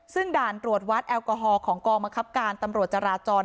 ซึ่งด่านตรวจวัดแอลกอฮอล์ของกองบังคับการตำรวจจราจร